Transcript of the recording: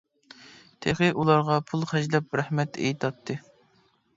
تېخى ئۇلارغا پۇل خەجلەپ رەھمەت ئېيتاتتى.